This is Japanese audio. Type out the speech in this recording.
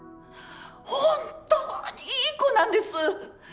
本当にいい子なんです。